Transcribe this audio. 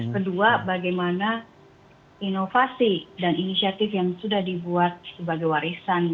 kedua bagaimana inovasi dan inisiatif yang sudah dibuat sebagai warisan